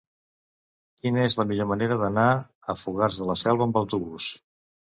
Quina és la millor manera d'anar a Fogars de la Selva amb autobús?